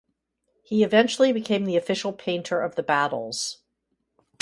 He eventually became the official painter of the battles.